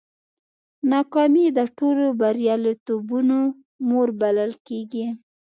ناکامي د ټولو بریالیتوبونو مور بلل کېږي.